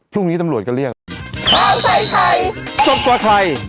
พรุ่งนี้ตำรวจก็เรียก